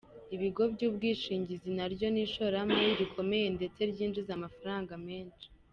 Ibigo by’ubwishingizi naryo ni ishoramari rikomeye ndetse ryinjiza amafaranga menshi.